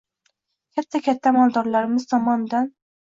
katta-katta amaldorlarimiz tomonidan